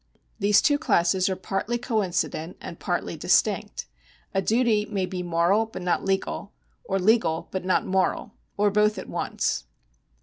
These two classes are partly coincident and partly distinct. A duty may be moral but not legal, or legal but not moral, or both at once.